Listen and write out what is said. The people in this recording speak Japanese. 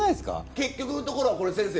結局のところはこれ先生